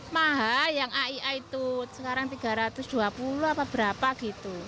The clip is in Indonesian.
mahal yang aii itu sekarang rp tiga ratus dua puluh apa berapa gitu